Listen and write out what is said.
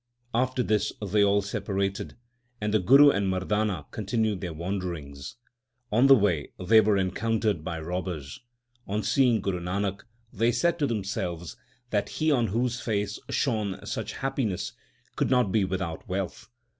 After this they all separated, and the Guru and Mardana continued their wanderings. On the way they were encountered by robbers. On seeing Guru Nanak, they said to themselves that he on whose face shone such happiness could not be without wealth.